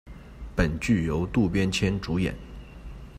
本剧由渡边谦主演。